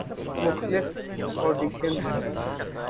مختلف آڈیشنزمیں